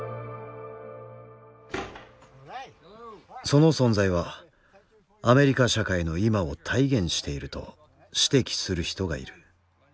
その存在はアメリカ社会の今を体現していると指摘する人がいる。